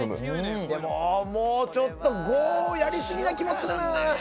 でももうちょっと５やり過ぎな気もするな。